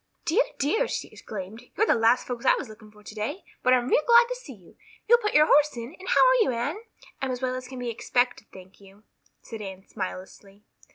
"Dear, dear," she exclaimed, "you're the last folks I was looking for today, but I'm real glad to see you. You'll put your horse in? And how are you, Anne?" "I'm as well as can be expected, thank you," said Anne smilelessly.